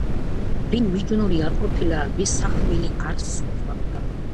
ვინ მიჯნური არ ყოფილა ვის სახმილი არს სწვავდა.